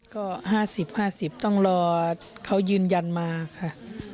ก็๕๐๕๐ต้องรอเขายืนยันมาค่ะ